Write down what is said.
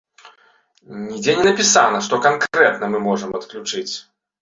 Нідзе не напісана, што канкрэтна мы можам адключыць.